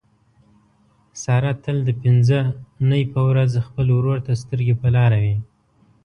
ساره تل د پینځه نۍ په ورخ خپل ورور ته سترګې په لاره وي.